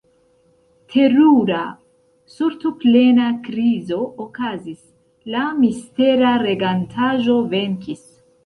Terura, sortoplena krizo okazis: la mistera regantaĵo venkis.